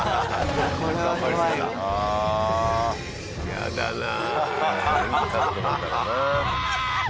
やだな。